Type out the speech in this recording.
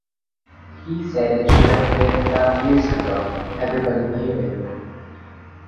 He said it should have been done years ago, everybody knew it.